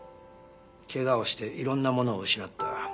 怪我をしていろんなものを失った。